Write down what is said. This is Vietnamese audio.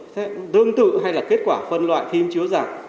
sẽ tương tự hay là kết quả phân loại phim chiếu giặc